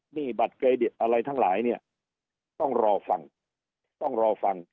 หนี้บัตรเครดิตอะไรทั้งหลายเนี่ยต้องรอฟังต้องรอฟัง